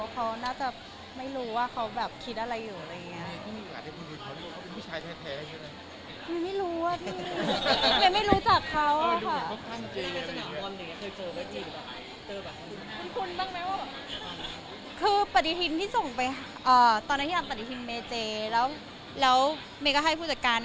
เขาน่าจะไม่รู้ว่าเขาคิดอะไรอยู่